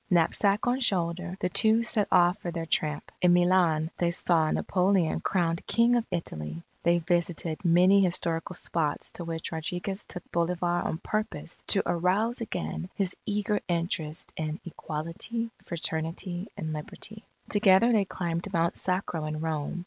Knapsack on shoulder, the two set off for their tramp. In Milan, they saw Napoleon crowned King of Italy. They visited many historical spots to which Rodriguez took Bolivar on purpose to arouse again his eager interest in Equality, Fraternity, and Liberty. Together they climbed Mount Sacro in Rome.